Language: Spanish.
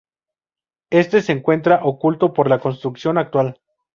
Éste se encuentra oculto por la construcción actual.